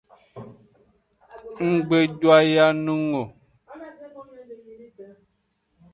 Nggbe doyanung o.